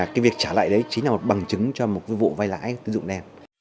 chính là một bằng chứng cho một vụ vay lãi tư dụng nè